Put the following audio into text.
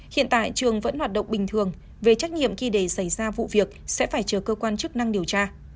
hiện tại trường vẫn hoạt động bình thường về trách nhiệm khi để xảy ra vụ việc sẽ phải chờ cơ quan chức năng điều tra